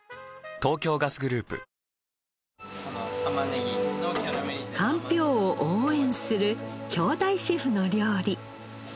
東京ガスグループかんぴょうを応援する兄弟シェフの料理。